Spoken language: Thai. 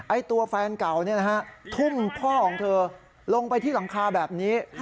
ตัวแฟนเก่าทุ่มพ่อของเธอลงไปที่หลังคาแบบนี้